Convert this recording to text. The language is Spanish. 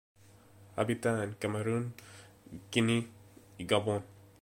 Habita en Camerún, Guinea y Gabón.